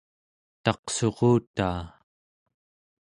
taqsuqutaa